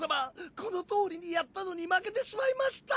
このとおりにやったのに負けてしまいました。